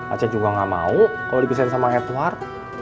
aceh juga ngga mau kalo dipisahin sama edward